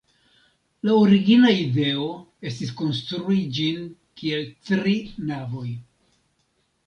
La origina ideo estis konstrui ĝin kiel tri navoj.